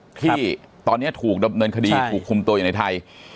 ที่ตอนนี้ถูกดำเนินคดีถูกคุมตัวอยู่ในไทย